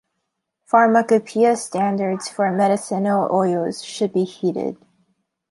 Pharmacopoeia standards for medicinal oils should be heeded.